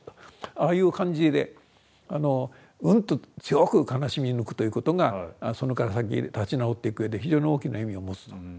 ああいう感じでうんと強く悲しみ抜くということがそこから先立ち直っていくうえで非常に大きな意味を持つと。